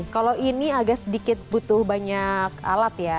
kalau ini agak sedikit butuh banyak alat ya